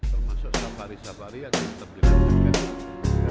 termasuk safari safari akan terbiasa dengan